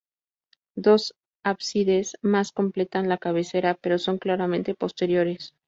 Dos ábsides más completan la cabecera, pero son claramente posteriores.